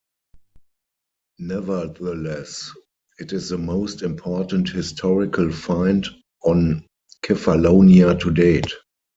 Nevertheless, it is the most important historical find on Kefalonia to date.